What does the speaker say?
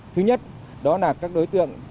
thứ nhất đó là các đối tượng